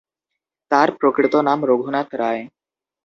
তার প্রকৃত নাম রঘুনাথ রায়।